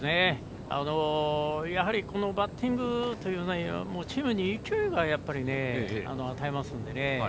やはりバッティングというのはチームに勢いを与えますので。